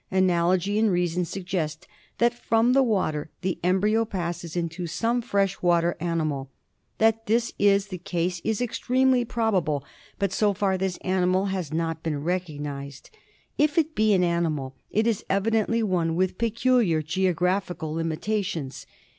Analogy and reason suggest that from the water the embryo passes into some fresh water animal. That this is the case is extremely probable, but so far this animal has not been recognised. If it be an animal, it is evidently one with peculiar geographical limitations.